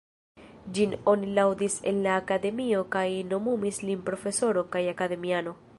Ĝin oni laŭdis en la Akademio kaj nomumis lin profesoro kaj akademiano.